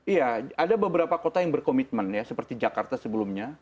iya ada beberapa kota yang berkomitmen ya seperti jakarta sebelumnya